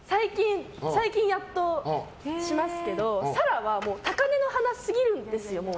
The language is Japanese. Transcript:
最近やっとしますけど紗来は、高嶺の花すぎるんですよ。